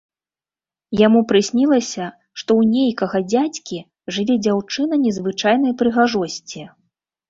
Яму прыснілася, што ў нейкага дзядзькі жыве дзяўчына незвычайнай прыгажосці.